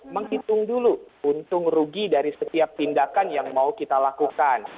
menghitung dulu untung rugi dari setiap tindakan yang mau kita lakukan